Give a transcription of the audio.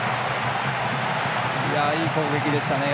いい攻撃でしたね。